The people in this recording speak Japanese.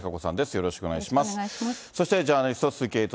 よろしくお願いします。